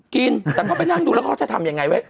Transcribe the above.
กินแต่เขาไปนั่งดูแล้วเขาจะทำยังไงไว้